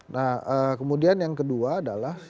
nah kemudian yang kedua adalah